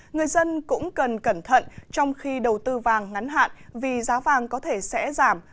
người dân cũng cần cẩn thận trong khi đầu tư vàng ngắn hạn vì giá vàng có thể sẽ giảm